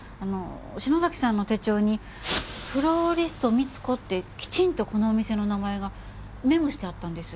篠崎さんの手帳に「フローリストＭＩＴＳＵＫＯ」ってきちんとこのお店の名前がメモしてあったんです。